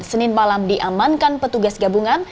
senin malam diamankan petugas gabungan